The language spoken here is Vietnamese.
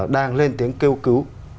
đang lên tiếng kêu cứu